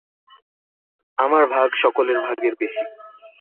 আমার ভাগ সকলের ভাগের বেশি।